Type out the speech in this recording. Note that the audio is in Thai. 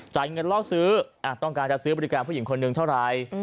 เงินล่อซื้อต้องการจะซื้อบริการผู้หญิงคนหนึ่งเท่าไร